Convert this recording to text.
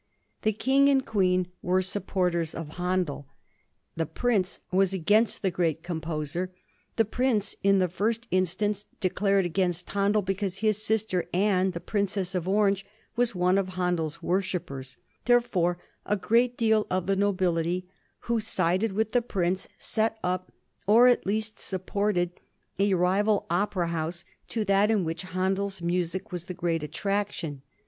The King and Queen were supporters 1736. HANDELISTS AND ANTI HANDELISTS. §1 of Handel, the prince was against the great composer. The prince in the first instance declared against Handel because his sister Anne, the Princess of Orange, was one of HandePs worshippers, therefore a great number of the nobility who sided with the prince set up, or at least supported, a rival opera house to that in which HandePs music was the great attraction.